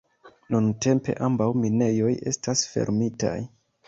Nuntempe ambaŭ minejoj estas fermitaj.